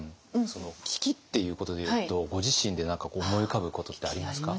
その危機っていうことでいうとご自身で何か思い浮かぶことってありますか？